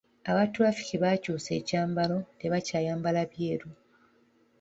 Aba ttulafiki baakyusa ekyambalo, tebakyayambala byeru.